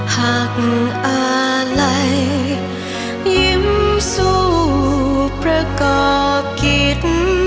หากอะไรยิ้มสูบประกอบกิน